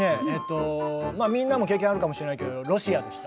みんなも経験あるかもしれないけど、ロシアでした。